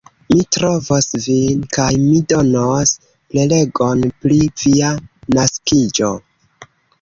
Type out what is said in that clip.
Mi trovos vin kaj mi donos prelegon pri via naskiĝo.